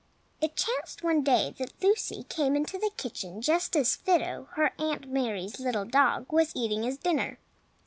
IT chanced one day that Lucy came into the kitchen just as Fido, her Aunt Mary's little dog, was eating his dinner.